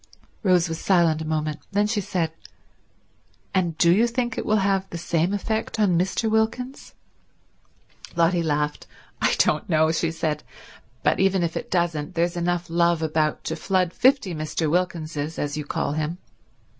Rose was silent a moment. Then she said, "And do you think it will have the same effect on Mr. Wilkins?" Lotty laughed. "I don't know," she said. "But even if it doesn't, there's enough love about to flood fifty Mr. Wilkinses, as you call him.